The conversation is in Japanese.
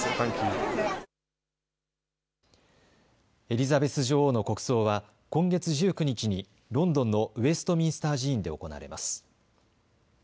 エリザベス女王の国葬は今月１９日にロンドンのウェストミンスター寺院で行われます。